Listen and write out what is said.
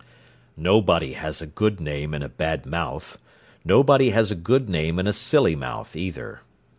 "Nobody has a good name in a bad mouth. Nobody has a good name in a silly mouth, either.